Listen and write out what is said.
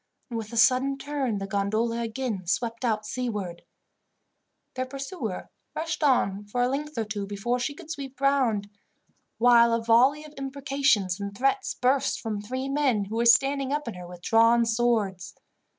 and, with a sudden turn, the gondola again swept out seaward. Their pursuer rushed on for a length or two before she could sweep round, while a volley of imprecations and threats burst from three men who were standing up in her with drawn swords.